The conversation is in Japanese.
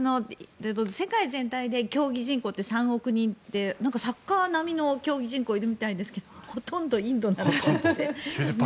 世界全体で競技人口って３億人ってサッカー並みの競技人口がいるみたいですがほとんどインドなんですね。